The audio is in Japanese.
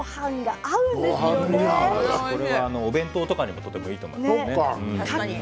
お弁当とかにもとてもいいと思います。